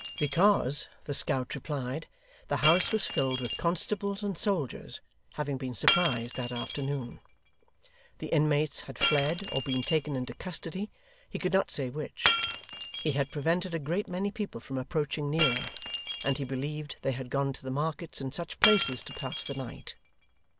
Because (the scout replied) the house was filled with constables and soldiers; having been surprised that afternoon. The inmates had fled or been taken into custody, he could not say which. He had prevented a great many people from approaching nearer, and he believed they had gone to the markets and such places to pass the night.